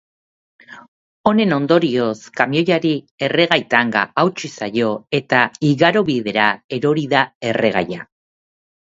Honen ondorioz, kamioiari erregai-tanga hautsi zaio eta igarobidera erori da erregaia.